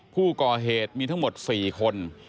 ผู้ก่อเหตุมีทั้งหมด๔คน